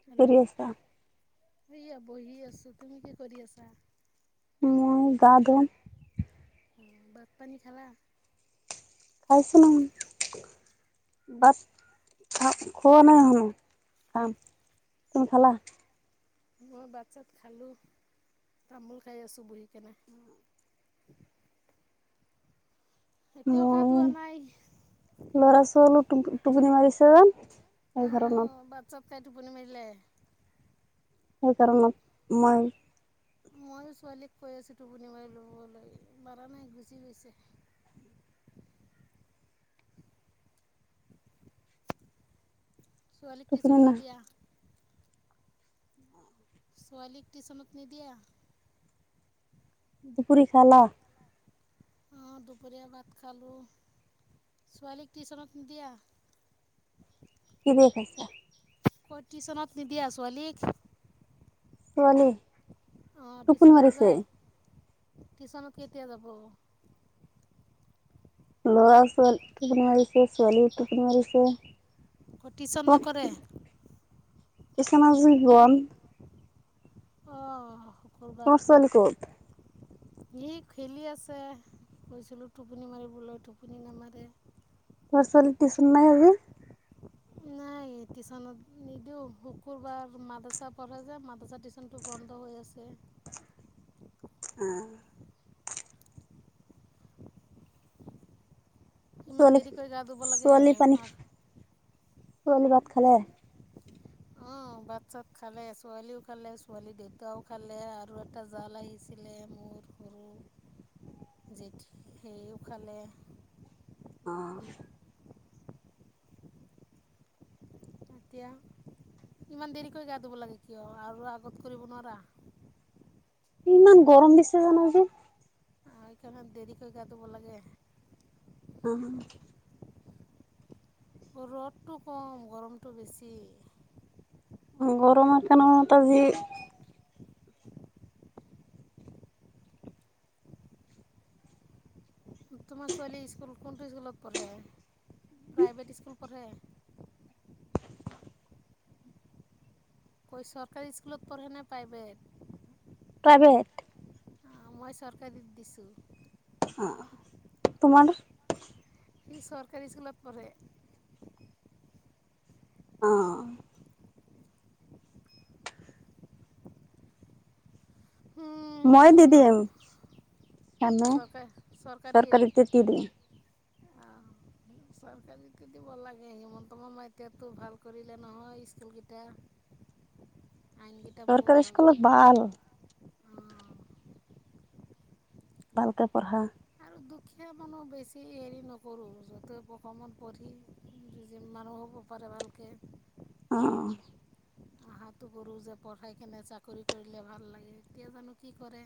কি কৰি আছা? সয়া বহি আছো। তুমি কি কৰি আছা? মই গা ধো ভাত পানী খালা? খাইছ ন। ভাত খ খোৱা নাই হুন খাম। তুমি খালা? মই ভাত- চাত খালো। তামোল খাই আছো বহি কেনে। এতি অকা মই দুুৱ নাই [unintelligible] টোপুনি মাৰিছে। এই ঘৰণত কটো পুনিমৰিলে [unintelligible] সেই কাৰণত মই ময়ো ছোৱালীক কৈ আছো টোপনি মাৰি ল'বলৈ। মাৰ নাই গুচি গৈছে। উম। ছোৱালীক টোপনি টিছন না নিদিয়া? ছোৱালীক টিউচনত নিদিয়া? ধুপুৰী খালা? অ দুপহৰীয়া ভাত খালো। ছোৱালীক টিউচনত নিদিয়া? কি দিয়া খাইছা? কত টিউছনত নিদিয়া ছোৱালীক? ছোৱালী? অ টোপনি টিউচন মাৰিছে নাযায়? টিউচনত কেতিয়া যাব? ল'ৰা ছোৱালী টোপনি মাৰিছে। ছোৱালীও টোপনি মাৰিছে। ক টিচন নকৰে? কিছে মজৰিিবন [unintelligible] তোমাৰ কৰবাতো ছোৱালী ক'ত? ই খেলি আছে। কৈছিলোঁ টোপনি মাৰিবলৈ টোপনি নামাৰে ল'ৰা ছোৱালী টিচন নাই আজি এই টিউচনত নিদিও শুকুৰবাৰ মাদ্ৰছা পঢ়ে যে মাদ্ৰাছা টিউশন টো বন্ধ হৈ আছে [unintelligible] আৰু ইমান ছোৱালী দেৰিকৈ গা ধুব লাগে হা শনিবাত খালে উ ভাত-চাত খালে। ছোৱালীও খালে, ছোৱালী দেউতাও খালে আৰু এটা জাল আহিছিলে মোৰ [unintelligible] যে সেইও খালে। অ এতিয়া ইমান দেৰিক গা ধুব লাগে কিয়, আৰু আগত কৰিব নোৱাৰা? ইমান গৰম দিছে জানো যে আৰু এ কাৰণ দেৰি কৰি গাটব লাগে। অ ৰ'দটো কম গৰমটো বেছি গৰমৰ কাৰণে তজি তোমাৰ ছোৱালী‌ স্কুল কোনটোৰ স্কুলত পঢ়ে, প্ৰাইভেট স্কুল পঢ়ে কৰ চৰকাৰী স্কুলত পঢ়ে নে প্ৰাইভেট প্ৰাইভেট। মই চৰকাৰী দিছোঁ আহ তোমাৰ এই চৰকাৰী স্কুলত পঢ়ে অ', মই মোৰ দিদিম চামে চৰকাৰ চৰকাৰীত চৰকাৰীতে দি দিম চৰকাৰী টে দিব লাগে হিমন্ত মামা এতিয়া টো ভাল কৰিলে নহয় স্কুলকেইটা আইনকেইটা বহুত চৰকাৰী ভালতো স্কুলত ভাল ভালকে পঢ়া আৰু দুখীয়া মানুহ বেছি হেৰি নকৰোঁ য'তে প্ৰশত পঢ়ি [unintelligible] উপ পিবালকৈ [unintelligible] অহ আশাটো কৰোঁ যে পঢ়াই কিনে চাকৰি কৰিলে ভাল লাগে এতিয়া জানো কি কৰে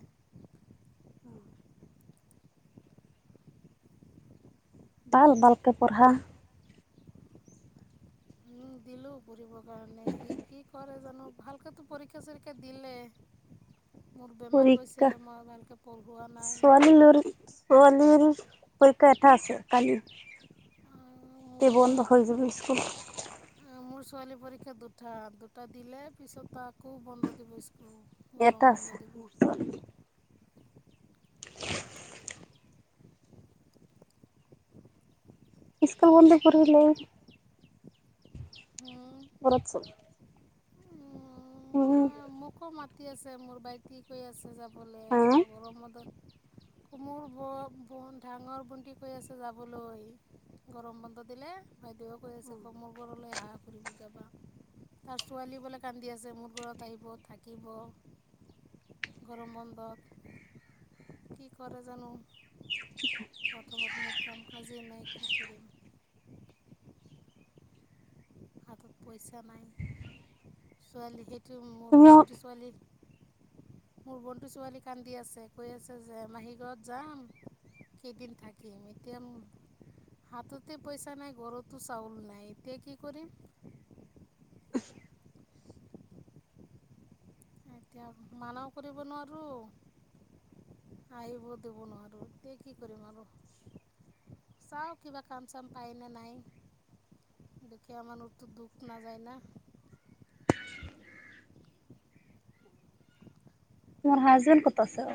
বাল বাল পে পঢ়া পঢ়িবৰ কাৰণে সি কি কৰে জানো ভালকতো পৰীক্ষা চৰীক্ষা দিলে মোৰ বেমাৰ গৈছে পৰীক্ষা মই ভালকৈ পঢ়োৱা নাই ছোৱালী লোলীৰ পৰীক্ষা এটা আছে কালি মোৰ তে বন্ধ পৰীক্ষা হৈ যাব স্কুল মোৰ ছোৱালী পৰীক্ষা দুটা দুটা দিলে পিছত তাকো বন্ধ দিব স্কুল গৰম এটা বন্ধ আছে। দিব [unintelligible] স্কুল বন্ধ কৰিলে মই ঘৰত যাম উম আকৌ মাতি আছে মোৰ ভাইটি কৈ আছে যাবলৈ হা আকৌ গৰমতত [inaudible] মোৰ ব ডাঙৰ বণ্টি কৈ আছে যাবলৈ গৰম বন্ধ দিলে বাইদেউে কৈ আছে কমল ঘৰলৈ আহা তাৰ ছোৱালী বোলে কান্দি আছে মোৰ ঘৰত আহিব থা থাকিব গৰম বন্ধত কি কৰে জানো প্ৰথমত মোৰ কাম কাজি নাই কি কৰিম হাতত পইচা নাই ছোৱালী সেইটো মোৰ তোমাৰ ভণ্টি ছোৱালী মোৰ ভন্টি ছোৱালী কান্দি আছে কৈ আছে যে মাহী ঘৰত যাম। কেইদিন থাকিম। এতিয়া মোৰ হাততে পইচা নাই ঘৰতো চাউল নাই এতিয়া কি কৰিম। এতিয়া মানাও কৰিব নোৱাৰোঁ। আহিব দিব নোৱাৰোঁ এতিয়া কি কৰিম আৰু। চাওঁ কিবা কাম চাম পায়নে নাই। দুখীয়া মানুহৰ দুখ নাযায় না তোমাৰ হাজবেণ্ড ক' ত আছে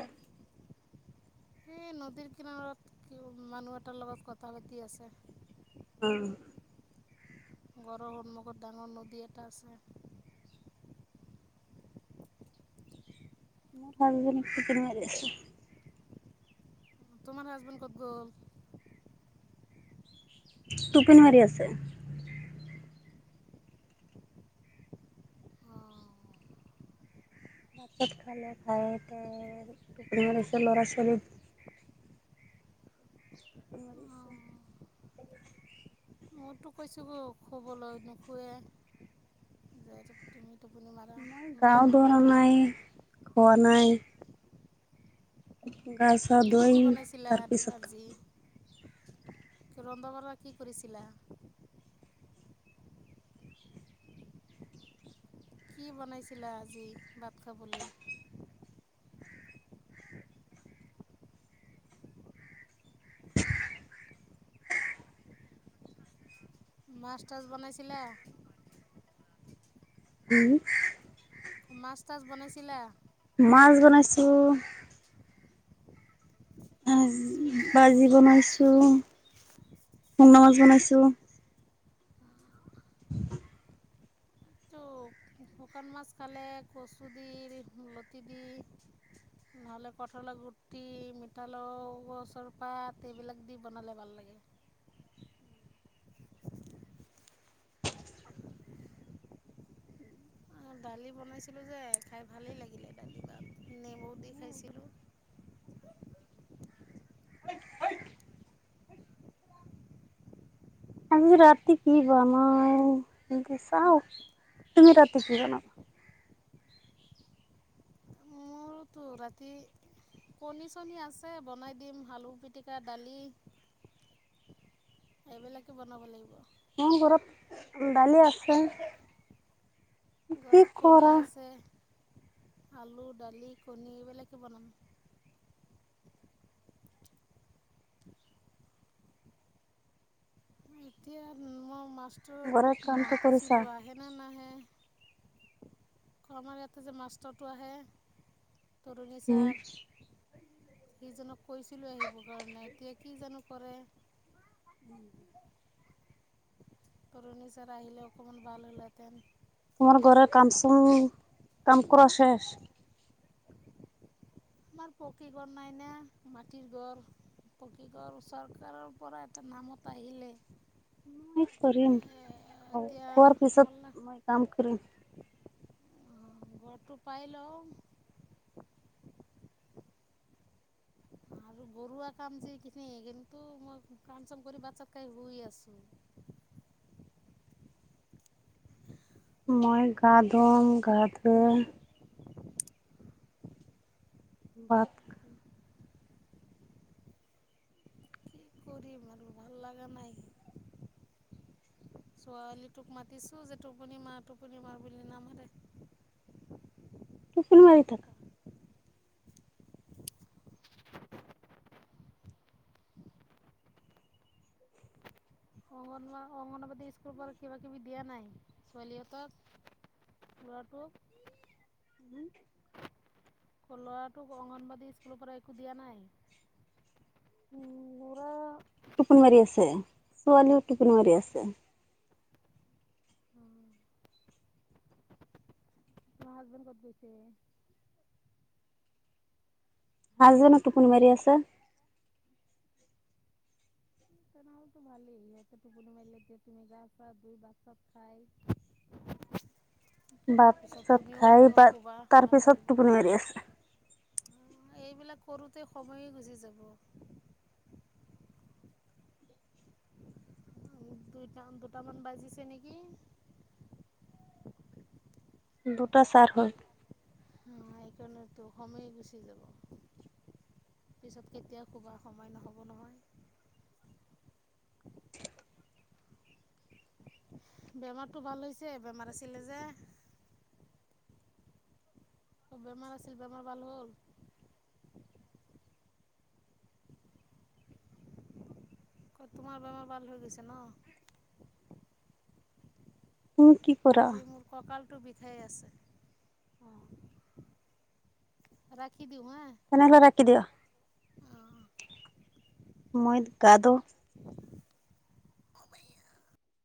এই নদীৰ কিনাৰত মানুহ এটাৰ লগত কথা পাতি আছে উম ঘৰৰ সন্মুখত ডাঙৰ নদীয়ে এটা আছে মোৰ হাজবেণ্ড [unintelligible] কৰি আছে তোমাৰ হাজবেণ্ড ক'ত গল? টোপনি মাৰি আছে। অঁ [unintelligible] ল'ৰা ছোৱালীৰ [inaudible] মইতো কৈছো গৈ শুবলৈ নোশুৱে যহেতু তুমি টোপনি মাৰা মোক গাও কয় ধৰা নামাৰো। নাই, খোৱা নাই। গা ছা কি দুই কি বনাইছিলা তাৰপিছত আজি ৰন্ধা বাৰা কি কৰিছিলে? কি বনাইছিলা আজি ভাত খাবলৈ? মাছ তাছ বনাইছিলে? হম। মাছ তাছ বনাইছিলা? মাছ বনাইছো। আহ ভাজি বনাইছো। [unintelligible] মাছ বনাইছো। উম। তো শুকান মাছ খালে কচু দি লতি দি নহ'লে কঠলৰ গুটি মিঠালৰ চৰপাত এইবিলাক দি বনালে ভাল লাগে। [inaudible] দালি বনাইছিলোঁ যে খাই ভালেই লাগিলে দালি বা নেমু দি খাইছিলোঁ। [inaudible] আজি ৰাতি কি বনাওঁ তাকে চাওঁ। তুমি ৰাতি কি বনাবা? [inaudible] ৰাতি কণী চণী আছে বনাই দিম, আলু পিটিকা দালি। এইবিলাকে বনাব লাগিব। মোৰ ঘৰত দালি আছে। কি ঘৰত কণী কৰা আছে। আলু দালি কণী এইবিলাকে বনাম। এতিয়া মই মাষ্টৰ ঘৰৰ তোক কামটো কৰিছা? মাতিছিলো আহে নাহে? কমাৰ ইয়াতে যে মাষ্টৰটো আহে। তৰুণী উম। ছাৰ, সিজনক কৈছিলোঁ আহিব কাৰণে এতিয়া কি জানো কৰে। [inaudible] তৰুণী চাৰ আহিলে অকমান ভাল হ'লহেঁতেন। তোমাৰ ঘৰে কাম চাম কাম কৰা শেষ। আমাৰ পকী ঘৰ নাই না, মাটিৰ ঘৰ। পকীঘৰ চৰকাৰৰ পৰা এটা নামত আহিলে। মই কৰিম, হয়। এতিয়া খোৱাৰ হ'ল না পিছত মই কাম কৰিম। ঘৰটো পাই লওঁ। [inaudible] কোৱা কাম এইখিনি কিন্তু, মই কাম চাম কৰি ভাত চাত খাই শুই আছোঁ। [inaudible] মই গা ধুম গা ধুই বাত। কি কৰিম আৰু ভাল লাগা নাই। ছোৱালীটোক মাতিছো যে টোপনি মাৰ টোপনি মাৰ বুলি নামাৰে। টোপনি মাৰি থাকা। অংগনবা অংগনাবাদী স্কুল পৰা কিবা কিবি দিয়া নাই। ছোৱালীহঁতক লৰাটোক। উম'। ল'ৰাটোক অংগনবাদী স্কুলৰ পৰা একো দিয়া নাই। ল'ৰা টোপনী মাৰি আছে, ছোৱালীও টোপনী মাৰি আছে। তোমাৰ হাজবেণ্ড ক'ত গৈছে? হাজবেণ্ডও টোপনি মাৰি আছে। তেনেহলেতো ভালেই সিহঁতে টুপনি মাৰিলে, এতিয়া তুমি গা পা ধুই ভাত চাত খাই। [unintelligible] ভাত পিছত চাত তুমিও খাই, অকণমান পাই শুবা ভাল তাৰপিছত লাগিব। টোপনি মাৰি আছে। এইবিলাক কৰোঁতে সময়ে গুচি যাব। দুইটা দুটামান বাজিছে নেকি? [inaudible] দুটা চাৰ হ'ল। হয়। এইকাৰণেতো সময়েই গুচি যাব। পিছত কেতিয়াও শুবা সময় নহ'ব নহয়। [unintelligible] বেমাৰটো ভাল হৈছে। বেমাৰ আছিলে যে? অহ' বেমাৰ আছিল, বেমাৰ ভাল হ'ল। কত তোমাৰ বেমাৰ ভাল হৈ গৈছে ন? তুমি কি কৰা আজি মোৰ কঁকালটো বিষাই আছে। অহ'। ৰাখি। দিওঁ হা তেনেহলে ৰাখি দিওঁ, অঁ মইত গা ধুও। [unintelligible]